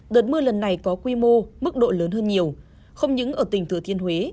đợt mưa lần này có quy mô mức độ lớn hơn nhiều không những ở tỉnh thừa thiên huế